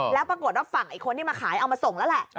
แล้วปรากฏว่าฝั่งไอ้คนที่มาขายเอามาส่งแล้วแหละ